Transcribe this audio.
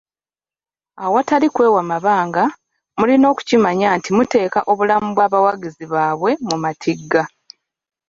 Awatali kwewa mabanga, mulina okukimanya nti muteeka obulamu bw'abawagizi babwe mu matigga.